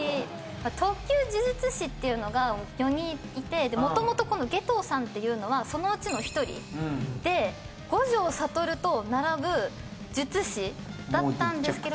特級呪術師っていうのが４人いてでもともとこの夏油さんっていうのはそのうちの１人で五条悟と並ぶ術師だったんですけど。